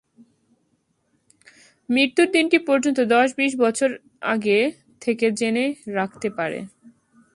মৃত্যুর দিনটি পর্যন্ত দশ বিশ বছর আগে থেকে জেনে রাখতে পারে।